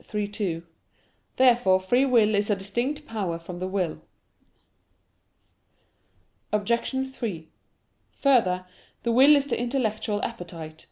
iii, 2). Therefore free will is a distinct power from the will. Obj. 3: Further, the will is the intellectual appetite.